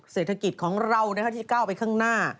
เศรษฐกิจของเราที่ก้าวไปข้างหน้า